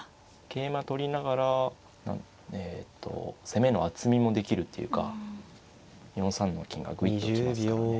桂馬取りながらえと攻めの厚みもできるっていうか４三の金がグイッと来ますからね。